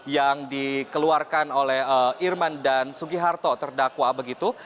yang dikeluarkan oleh irman dan sugiharto terdakwa begitu